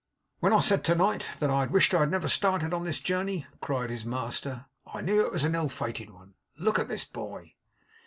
'When I said to night, that I wished I had never started on this journey,' cried his master, 'I knew it was an ill fated one. Look at this boy!